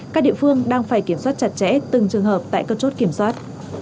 các địa phương đang phải kiểm soát chặt chẽ từng trường hợp tại các chốt kiểm soát